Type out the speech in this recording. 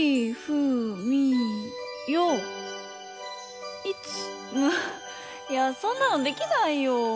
いよういついやそんなのできないよ。